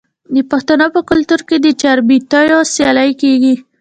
د پښتنو په کلتور کې د چاربیتیو سیالي کیږي.